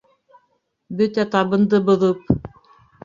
Бөтә табынды боҙоп!